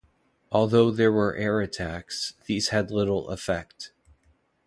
Although there were air attacks, these had little effect.